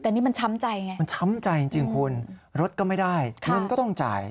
แต่นี่มันช้ำใจไงมันช้ำใจจริงคุณรถก็ไม่ได้เงินก็ต้องจ่าย